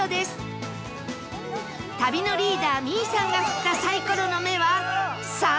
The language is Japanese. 旅のリーダー未唯さんが振ったサイコロの目は「３」